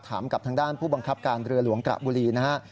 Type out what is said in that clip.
กับทางด้านผู้บังคับการเรือหลวงกระบุรีนะฮะ